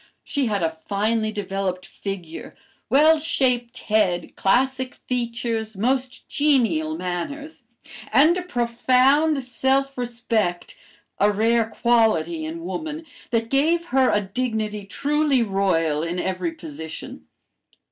She had a finely developed figure, well shaped head, classic features, most genial manners, and a profound self respect (a rare quality in woman), that gave her a dignity truly royal in every position.